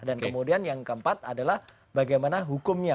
dan kemudian yang keempat adalah bagaimana hukumnya